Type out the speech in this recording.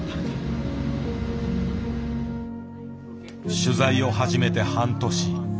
取材を始めて半年。